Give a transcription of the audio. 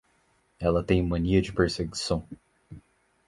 Ela tem mania de perseguição